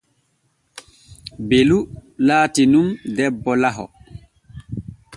Belu laati nun debbo laho.